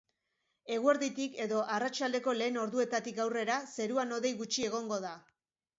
Eguerditik edo arratsaldeko lehen orduetatik aurrera zeruan hodei gutxi egongo da.